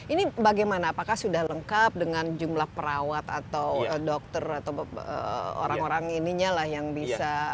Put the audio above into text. ini bagaimana apakah sudah lengkap dengan jumlah perawat atau dokter atau orang orang ininya lah yang bisa